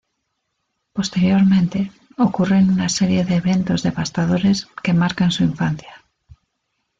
Posteriormente, ocurren una serie de eventos devastadores que marcan su infancia.